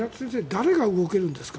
誰が動けるんですか？